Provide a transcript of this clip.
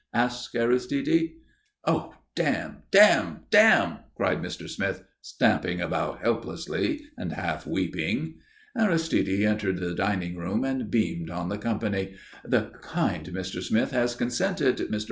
asked Aristide. "Oh, damn! Oh, damn! Oh, damn!" cried Mr. Smith, stamping about helplessly and half weeping. Aristide entered the dining room and beamed on the company. "The kind Mr. Smith has consented. Mr.